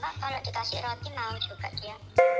pak kalau dikasih roti mau juga dia